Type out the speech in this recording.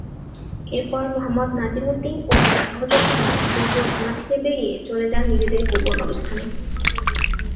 এরপর মোহাম্মদ নাজিম উদ্দিন ও তার সহযোদ্ধারা দ্রুত থানা থেকে বেরিয়ে চলে যান নিজেদের গোপন অবস্থানে।